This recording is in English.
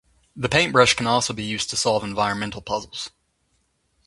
The paintbrush can also be used to solve environmental puzzles.